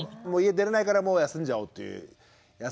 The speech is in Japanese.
家出れないからもう休んじゃおうという。